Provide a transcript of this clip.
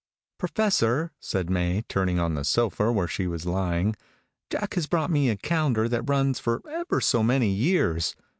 "Professor," said May, turning on the sofa where she was lying, "Jack has brought me a calendar that runs for ever so many years.